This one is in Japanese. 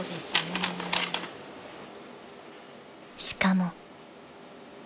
［しかも］